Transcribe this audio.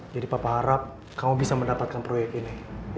jadi papa harap kamu bisa mendapatkan proyek ini